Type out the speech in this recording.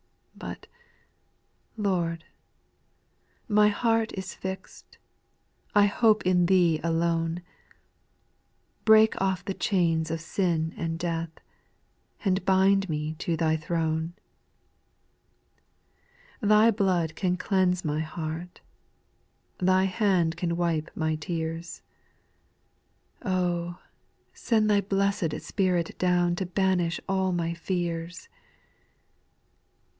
4. But, Lord, my heart is fixed, I hope in Thee alone ; Break ofl* the chains of sin and death, And bind me to Thy throne. 5. Thy blood can cleanse my heart, Thy hand can wipe my tears ; Oh ! send Thy blessed Spirit down To banish all my fears.